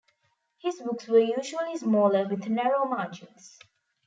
His books were usually smaller with narrow margins.